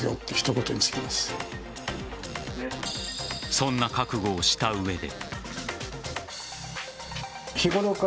そんな覚悟をした上で。